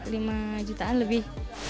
lima jutaan lebih